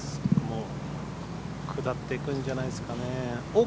下っていくんじゃないですかね。